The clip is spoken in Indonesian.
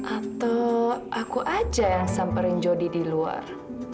atau aku aja yang samperin jody di luar